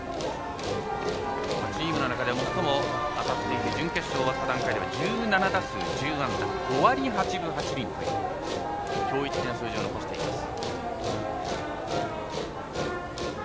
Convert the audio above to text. チームの中で最も当たっている準決勝は終わった段階で１７打数１０安打５割８分８厘と驚異的な数字を残しています。